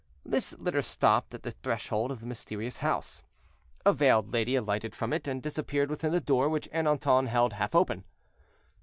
This litter stopped at the threshold of the mysterious house. A veiled lady alighted from it, and disappeared within the door which Ernanton held half open.